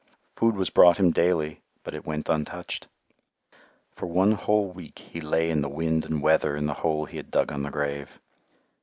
Food was brought him daily, but it went untouched. For one whole week he lay in the wind and weather in the hole he had dug on the grave.